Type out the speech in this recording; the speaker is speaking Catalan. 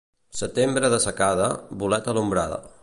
Setembre de secada, bolet a l'ombrada.